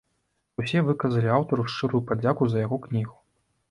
Усе выказалі аўтару шчырую падзяку за яго кнігу.